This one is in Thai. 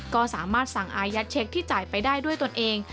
ก็สามารถสั่งอายัดเช็คที่จ่ายไปได้ด้วยตนเอง